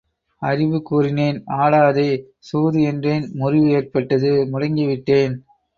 அறிவு கூறினேன் ஆடாதே சூது என்றேன் முறிவு ஏற்பட்டது முடங்கி விட்டேன்.